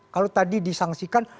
kalau tadi disangsikan